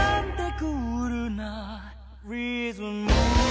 クールなリズム」